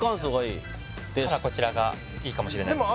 ・そうしたらこちらがいいかもしれないです